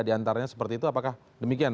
di antaranya seperti itu apakah demikian